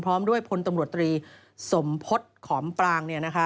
พร้อมด้วยพลตำรวจตรีสมพฤษขอมปรางเนี่ยนะคะ